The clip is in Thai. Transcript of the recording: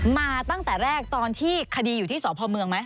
มาตั้งแต่แรกตอนที่คดีอยู่ที่สพเมืองไหม